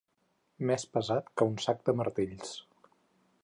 Més pesat que un sac de martells.